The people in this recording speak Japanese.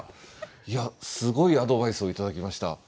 いやすごいアドバイスを頂きました。